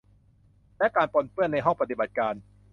และการปนเปื้อนในห้องปฏิบัติการ